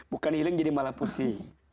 bukan healing jadi malah pusing